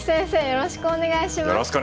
よろしくお願いします！